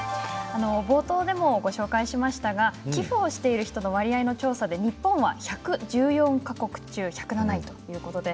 冒頭でもご紹介しましたが寄付をしている人の割合の調査で日本は１１４か国中１０７位ということなんです。